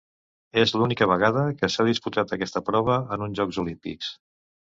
És l'única vegada que s'ha disputat aquesta prova en uns Jocs Olímpics.